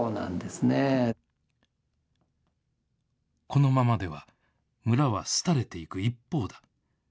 このままでは、村は廃れていく一方だ。